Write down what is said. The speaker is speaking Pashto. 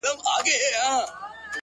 • بيزو وان هم يو ځاى كښينستى حيران وو,